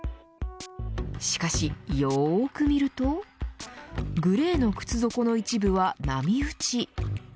しかしよく見るとグレーの靴底の一部は波うち。